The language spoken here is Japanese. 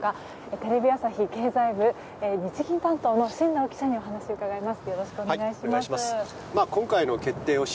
テレビ朝日経済部日銀担当の進藤記者にお話を伺います。